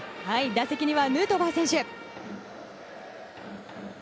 打席にはヌートバー選手。